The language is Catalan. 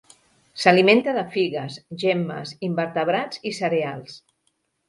S'alimenta de figues, gemmes, invertebrats i cereals.